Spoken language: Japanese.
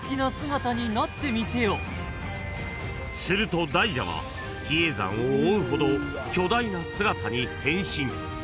［すると大蛇は比叡山を覆うほど巨大な姿に変身］